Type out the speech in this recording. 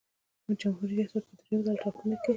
د جمهوري ریاست په دریم ځل ټاکنو کې.